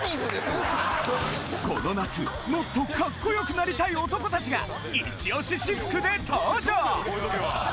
この夏もっとカッコよくなりたい男たちがイチオシ私服で登場！